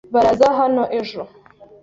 Baraza hano ejo?